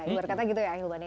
insya allah kita berhenti